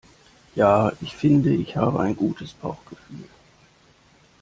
Ja, ich finde ich habe ein gutes Bauchgefühl.